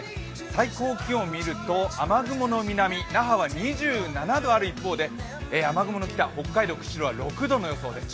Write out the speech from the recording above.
最高気温をみると雨雲の南、那覇は２７度ある一方で雨雲の北、北海道釧路は６度の予想です。